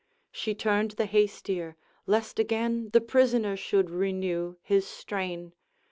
She turned the hastier, lest again The prisoner should renew his strain.